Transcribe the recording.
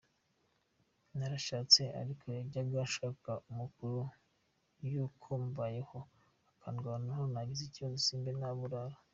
Narashatse ariko yajyaga ashaka amakuru y’uko mbayeho akandwanaho nagize ikibazo simbe naburara.